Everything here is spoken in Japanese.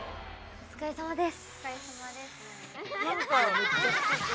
お疲れさまです